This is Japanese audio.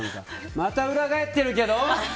また裏返ってるけど？